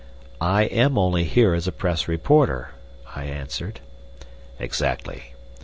"I am only here as a Press reporter," I answered. "Exactly.